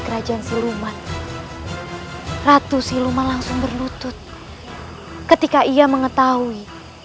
kau akan berhenti